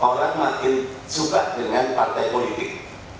orang makin suka dengan partai politik